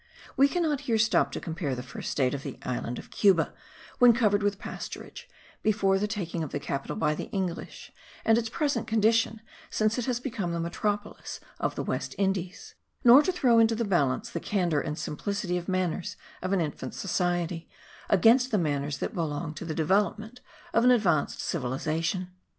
We cannot here stop to compare the first state of the island of Cuba, when covered with pasturage, before the taking of the capital by the English, and its present condition, since it has become the metropolis of the West Indies; nor to throw into the balance the candour and simplicity of manners of an infant society, against the manners that belong to the development of an advanced civilization.